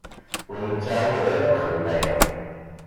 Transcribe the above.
Ur nettɛawad ara ad nexdem aya.